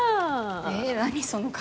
え何その顔。